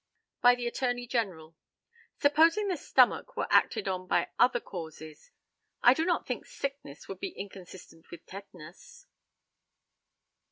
By the ATTORNEY GENERAL: Supposing the stomach were acted on by other causes, I do not think sickness would be inconsistent with tetanus.